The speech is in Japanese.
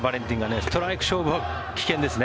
ストライク勝負、危険ですね。